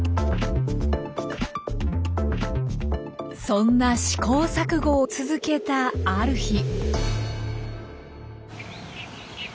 そんな試行錯誤を続けたある日。